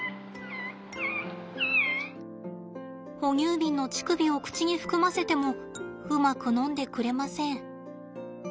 哺乳瓶の乳首を口に含ませてもうまく飲んでくれません。